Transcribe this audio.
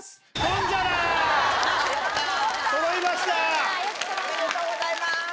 いやいや。おめでとうございます。